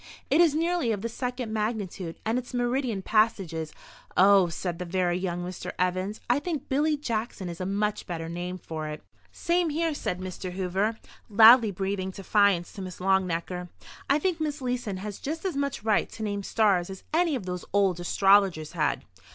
It is nearly of the second magnitude, and its meridian passage is—" "Oh," said the very young Mr. Evans, "I think Billy Jackson is a much better name for it." "Same here," said Mr. Hoover, loudly breathing defiance to Miss Longnecker. "I think Miss Leeson has just as much right to name stars as any of those old astrologers had."